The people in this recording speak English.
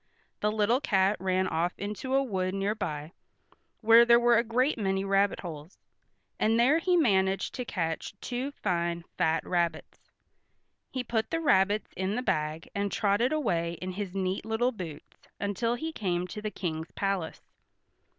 The little cat ran off into a wood near by, where there were a great many rabbit holes, and there he managed to catch two fine fat rabbits. He put the rabbits in the bag and trotted away in his neat little boots until he came to the King's palace.